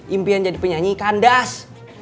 impian jadi penyanyi kandas